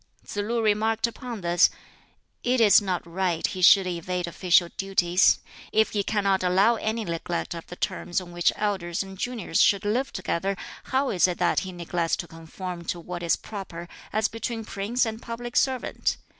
Tsz lu remarked upon this, "It is not right he should evade official duties. If he cannot allow any neglect of the terms on which elders and juniors should live together, how is it that he neglects to conform to what is proper as between prince and public servant?